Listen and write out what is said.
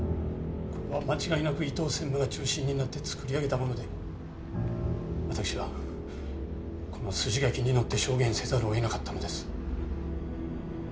これは間違いなく伊藤専務が中心になって作り上げたもので私はこの筋書きに乗って証言せざるをえなかったのです。